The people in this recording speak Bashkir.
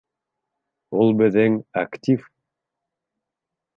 — Ул беҙҙең актив.